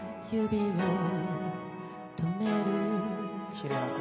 きれいな声。